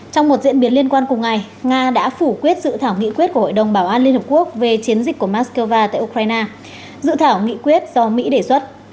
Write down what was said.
trong một diễn biến liên quan cùng ngày nga đã phủ quyết dự thảo nghị quyết của hội đồng bảo an liên hợp quốc về chiến dịch của moscow tại ukraine dự thảo nghị quyết do mỹ đề xuất